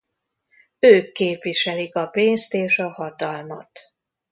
Ők képviselik a pénzt és a hatalmat.